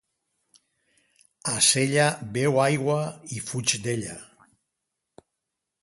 A Sella, beu aigua i fuig d'ella.